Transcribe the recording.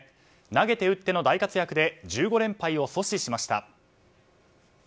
投げて打っての大活躍で１５連敗を阻止しました。